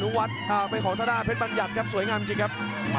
อันวัดเบียดเข้ามาอันวัดโดนชวนแรกแล้ววางแค่ขวาแล้วเสียบด้วยเขาซ้าย